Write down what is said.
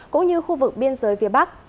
cũng như khu vực biên giới phía bắc